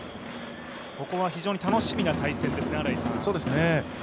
ここは非常に楽しみな対戦ですね。